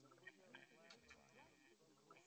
د پروستات د درد لپاره د کدو د تخم تېل وکاروئ